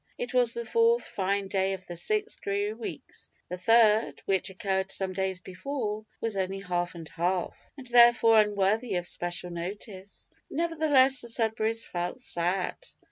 It was the fourth fine day of the six dreary weeks the third, which occurred some days before, was only half and half; and therefore unworthy of special notice. Nevertheless, the Sudberrys felt sad.